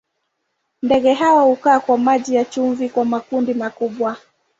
Ndege hawa hukaa kwa maji ya chumvi kwa makundi makubwa.